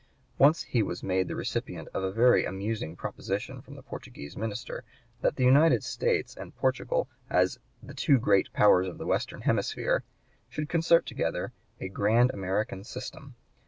Once he was made the recipient of a very amusing proposition from the Portuguese minister, that the United States and Portugal, as "the two great powers of the western hemisphere," should concert together a grand American system.